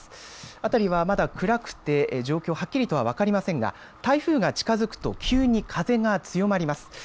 辺りはまだ暗くて状況はっきりとは分かりませんが台風が近づくと急に風が強まります。